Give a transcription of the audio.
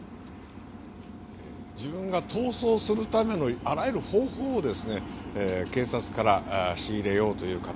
自分が逃走するためのあらゆる方法を警察から仕入れようという形。